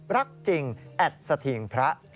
รักจริงแอดสถิงพระ